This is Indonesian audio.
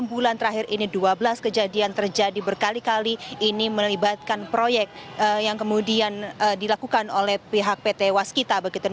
enam bulan terakhir ini dua belas kejadian terjadi berkali kali ini melibatkan proyek yang kemudian dilakukan oleh pihak pt waskita begitu